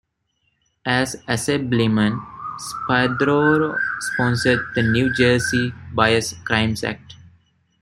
As Assemblyman, Spadoro sponsored the New Jersey Bias Crimes Act.